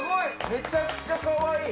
めちゃくちゃかわいい。